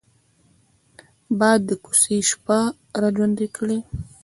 باد د کوڅې شپه را ژوندي کوي